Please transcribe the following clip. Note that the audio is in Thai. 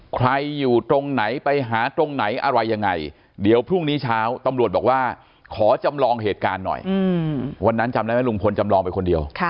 ใครอยู่ตรงไหนไปหาตรงไหนอะไรยังไงเดี๋ยวพรุ่งนี้เช้าตำรวจบอกว่าขอจำลองเหตุการณ์หน่อยวันนั้นจำได้ไหมลุงพลจำลองไปคนเดียว